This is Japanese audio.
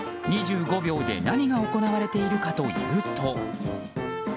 ２５秒で何が行われているかというと。